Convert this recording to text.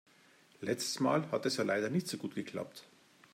Letztes Mal hat es ja leider nicht so gut geklappt.